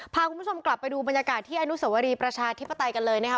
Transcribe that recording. พาคุณผู้ชมกลับไปดูบรรยากาศที่อนุสวรีประชาธิปไตยกันเลยนะคะ